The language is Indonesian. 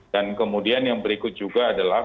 dan kemudian yang berikut juga adalah